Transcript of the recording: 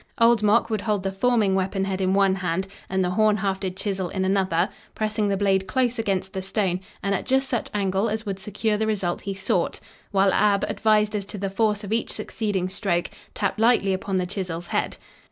Old Mok would hold the forming weapon head in one hand and the horn hafted chisel in another, pressing the blade close against the stone and at just such angle as would secure the result he sought, while Ab, advised as to the force of each succeeding stroke, tapped lightly upon the chisel's head.